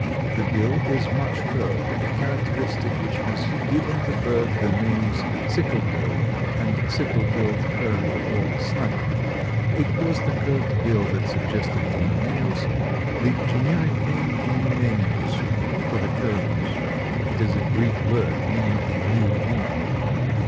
The bill is much curved, a characteristic which has given the bird the names Sickle bill and Sickle billed Curlew or Snipe. It was the curved bill that suggested to Linnaeus the generic name Numenius for the curlews. It is a Greek word meaning the new moon.